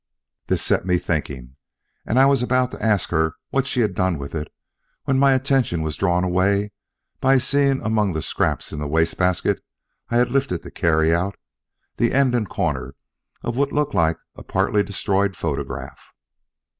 This set me thinking, and I was about to ask her what she had done with it when my attention was drawn away by seeing among the scraps in the wastebasket I had lifted to carry out the end and corner of what looked like a partly destroyed photograph.